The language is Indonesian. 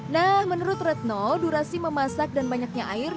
nah menurut retno durasi memasak dan banyaknya air